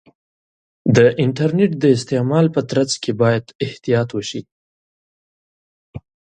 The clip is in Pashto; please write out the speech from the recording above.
د انټرنیټ د استعمال په ترڅ کې باید احتیاط وشي.